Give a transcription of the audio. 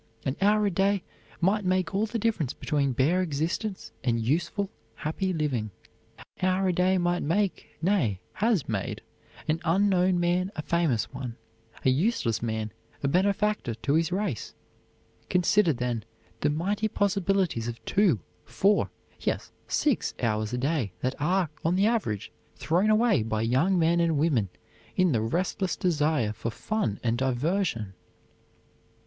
An hour a day might make all the difference between bare existence and useful, happy living. An hour a day might make nay, has made an unknown man a famous one, a useless man a benefactor to his race. Consider, then, the mighty possibilities of two four yes, six hours a day that are, on the average, thrown away by young men and women in the restless desire for fun and diversion!